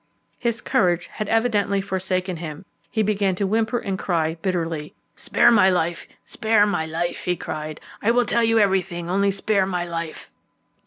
His courage had evidently forsaken him; he began to whimper and cry bitterly. "Spare my life," he screamed. "I will tell everything, only spare my life."